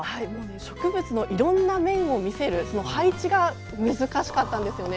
植物のいろんな面を見せるその配置が難しかったんですよね。